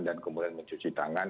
dan kemudian mencuci tangan